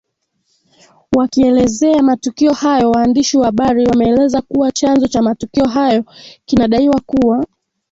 wakielezea matukio hayo waandishi wa habari wameeleza kuwa chanzo cha matukio hayo kinadaiwa kuwa